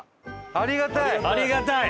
ありがたい！